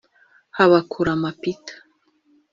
Habakurama Peter